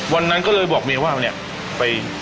วันนั้นก็เลยบอกเมียว่าเนี่ยไป